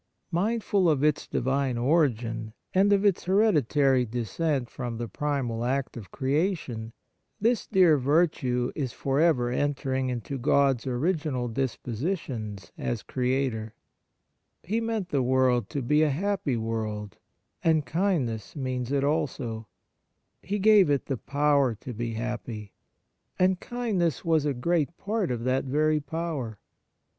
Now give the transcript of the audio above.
Mindful of its Divine origin, and of its hereditary descent from the primal act of creation, this dear virtue is for ever enter ing into God's original dispositions as Creator. He meant the world to be a On Kindness in General 25 happy world, and kindness means it also. He gave it the power to be happy, and kindness was a great part of that very power.